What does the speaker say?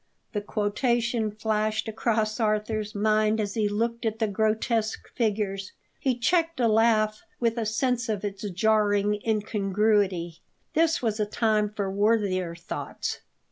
The quotation flashed across Arthur's mind as he looked at the grotesque figures. He checked a laugh with a sense of its jarring incongruity this was a time for worthier thoughts.